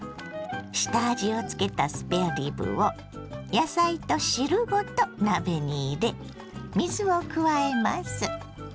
下味をつけたスペアリブを野菜と汁ごと鍋に入れ水を加えます。